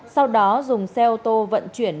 sau đó dùng xe ô tô vận chuyển